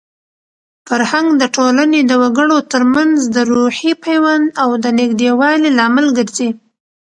فرهنګ د ټولنې د وګړو ترمنځ د روحي پیوند او د نږدېوالي لامل ګرځي.